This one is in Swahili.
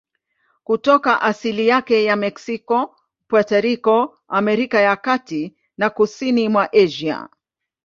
Kutoka asili yake ya Meksiko, Puerto Rico, Amerika ya Kati na kusini mwa Asia.